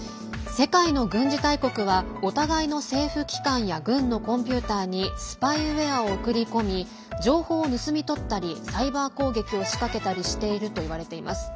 世界の軍事大国はお互いの政府機関や軍のコンピューターにスパイウエアを送り込み情報を盗み取ったりサイバー攻撃を仕掛けたりしているといわれています。